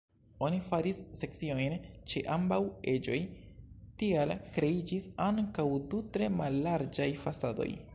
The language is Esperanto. Oni faris sekciojn ĉe ambaŭ eĝoj, tial kreiĝis ankaŭ du tre mallarĝaj fasadoj.